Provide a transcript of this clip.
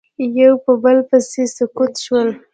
یو په بل پسې سقوط شول